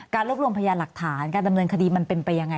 รวบรวมพยานหลักฐานการดำเนินคดีมันเป็นไปยังไง